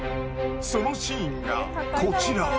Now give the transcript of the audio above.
そのシーンがこちら。